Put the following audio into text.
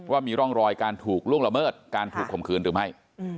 ว่ามีร่องรอยการถูกล่วงละเมิดการถูกข่มขืนหรือไม่